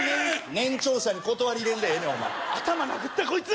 年長者に断り入れんでええねん頭殴ったこいつ！